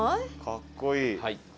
かっこいい！